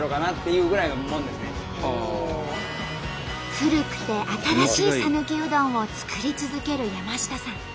古くて新しいさぬきうどんを作り続ける山下さん。